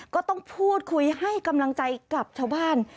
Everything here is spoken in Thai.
ก็ต้องพูดคุยให้กำลังใจกับชาวบ้าน